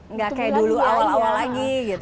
nggak kayak dulu awal awal lagi gitu